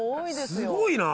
すごいな！